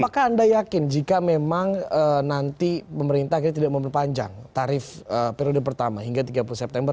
apakah anda yakin jika memang nanti pemerintah akhirnya tidak memperpanjang tarif periode pertama hingga tiga puluh september